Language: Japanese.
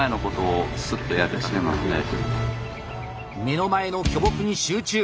目の前の巨木に集中。